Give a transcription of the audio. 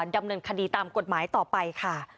ดำเนินคดีตามกฎหมายต่อไปค่ะ